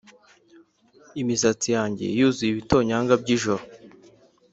imisatsi yanjye yuzuye ibitonyanga by’ijoro.»